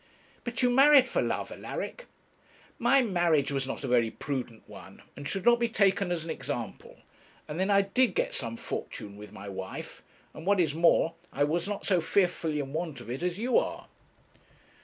'But you married for love, Alaric?' 'My marriage was not a very prudent one, and should not be taken as an example. And then I did get some fortune with my wife; and what is more, I was not so fearfully in want of it as you are.'